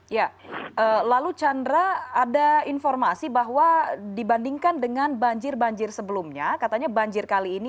ya lalu chandra ada informasi bahwa dibandingkan dengan banjir banjir sebelumnya katanya banjir kali ini